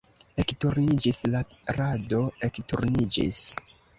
Ekturniĝis la rado, ekturniĝis!